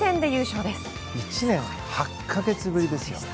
１年８か月ぶりですよ。